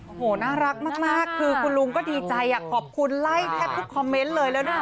โอ้โหน่ารักมากคือคุณลุงก็ดีใจขอบคุณไล่แทบทุกคอมเมนต์เลยแล้วนะคะ